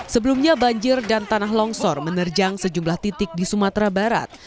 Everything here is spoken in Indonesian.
sebelumnya banjir dan tanah longsor menerjang sejumlah titik di sumatera barat